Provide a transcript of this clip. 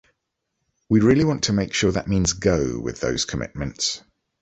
We really want to make sure that means go with those commitments.